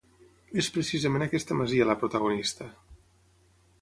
És precisament aquesta masia la protagonista